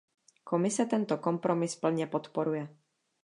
Komise tento kompromis plně podporuje.